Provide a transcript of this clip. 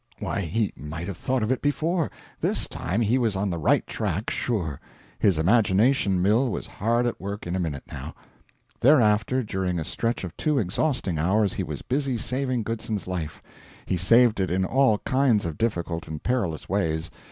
Why, he might have thought of it before. This time he was on the right track, sure. His imagination mill was hard at work in a minute, now. Thereafter, during a stretch of two exhausting hours, he was busy saving Goodson's life. He saved it in all kinds of difficult and perilous ways.